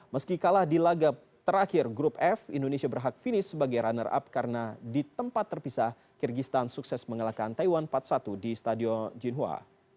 meski kalah di laga terakhir grup f indonesia berhak finish sebagai runner up karena di tempat terpisah kyrgyzstan sukses mengalahkan taiwan empat satu di stadion jinhoa